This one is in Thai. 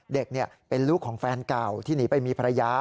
เด็กเป็นลูกของแฟนเก่าที่หนีไปมีภรรยา